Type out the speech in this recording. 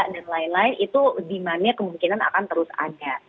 dan lain lain itu dimana kemungkinan akan terus ada